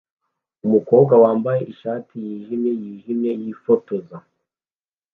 Umukobwa wambaye ishati yijimye yijimye yifotoza